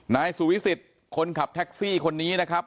นายสุวิสิทธิ์คนขับแท็กซี่คนนี้นะครับ